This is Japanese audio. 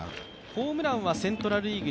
ホームランはセントラル・リーグ